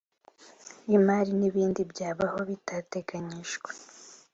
Y imari n ibindi byabaho bitateganyijwe